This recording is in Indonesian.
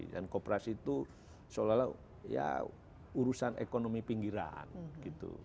dan kooperasi itu seolah olah ya urusan ekonomi pinggiran gitu